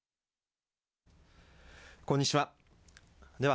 こんにちは。